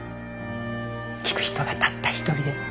聴く人がたった一人でも。